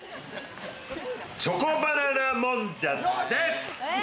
チョコバナナもんじゃです。